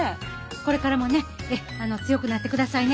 これからもね強くなってくださいね。